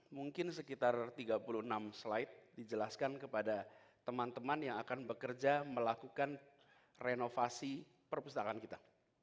mungkin sekitar tiga puluh enam slide dijelaskan kepada teman teman yang akan bekerja melakukan renovasi perpustakaan kita